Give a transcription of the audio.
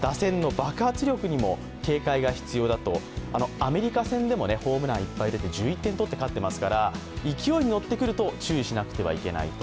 アメリカ戦でもホームランいっぱい出て１１点取って勝っていますから勢いに乗ってくると注意しなくてはいけないと。